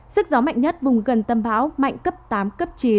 sức gió mạnh nhất vùng gần tâm bão mạnh cấp tám cấp chín